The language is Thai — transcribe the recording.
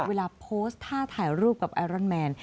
เวลาโพสต์ท่าถ่ายรูปกับไอรอนแมน